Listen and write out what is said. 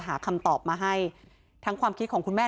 หาคำตอบมาให้ทั้งความคิดของคุณแม่